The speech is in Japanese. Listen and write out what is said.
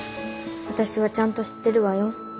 私はちゃんと知ってるわよ